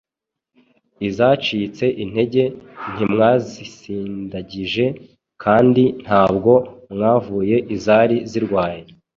Izacitse intege ntimwazisindagije, kandi ntabwo mwavuye izari zirwaye,